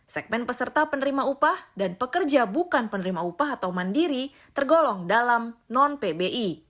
segmen peserta penerima upah dan pekerja bukan penerima upah atau mandiri tergolong dalam non pbi